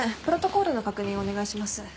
プロトコールの確認をお願いします。